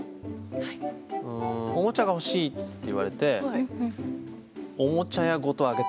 おもちゃが欲しいって言われておもちゃ屋ごとあげた。